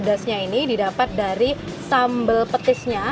pedasnya ini didapat dari sambal petisnya